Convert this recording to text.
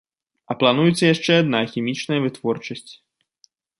А плануецца яшчэ адна хімічная вытворчасць.